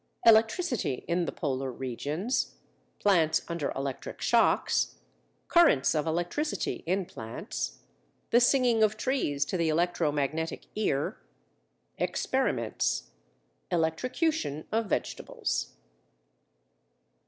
Electricity in the Polar regions Plants under electric shocks Currents of electricity in plants The singing of trees to the electro magnetic ear Experiments Electrocution of vegetables.